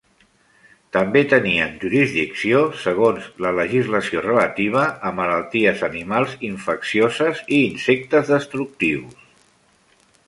També tenien jurisdicció segons la legislació relativa a malalties animals infeccioses i insectes destructius.